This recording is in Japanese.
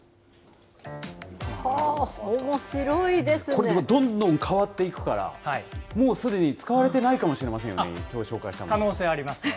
これもう、どんどん変わっていくから、もうすでに使われてないかもしれませんよね、可能性ありますね。